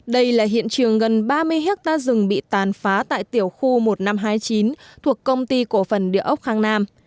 đây là hiện trường gần ba mươi hectare rừng bị tàn phá tại tiểu khu một nghìn năm trăm hai mươi chín thuộc công ty cổ phần địa ốc khang nam